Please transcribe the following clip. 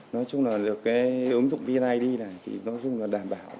nói chung là được cái ứng dụng vneid này thì nó dùng để đảm bảo